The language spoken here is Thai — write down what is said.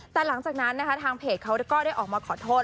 แต่หลังจากนั้นนะคะทางเพจเขาก็ได้ออกมาขอโทษ